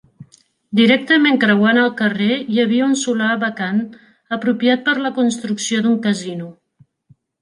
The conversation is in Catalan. Directament creuant el carrer hi havia un solar vacant, apropiat per la construcció d'un Casino.